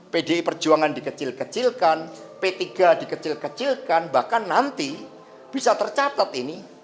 pdi perjuangan dikecil kecilkan p tiga dikecil kecilkan bahkan nanti bisa tercatat ini